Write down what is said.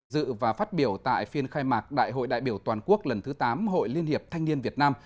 dự và phát biểu tại phiên khai mạc đại hội đại biểu toàn quốc lần thứ tám hội liên hiệp thanh niên việt nam